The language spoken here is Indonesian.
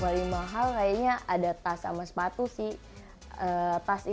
beri mahal kayaknya ada tas sama sepatu sih ada tas sama sepatu sih